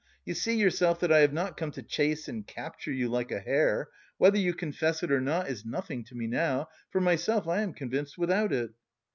You see yourself that I have not come to chase and capture you like a hare. Whether you confess it or not is nothing to me now; for myself, I am convinced without it."